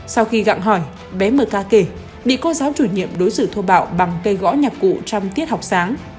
sau khi gặng hỏi bé mk kể bị cô giáo chủ nhiệm đối xử thu bảo bằng cây gõ nhạc cụ trong tiết học sáng